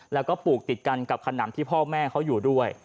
แล้วก็ปลูกติดกันกับขนำที่พ่อแม่เขาอยู่ด้วย